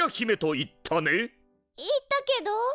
言ったけど。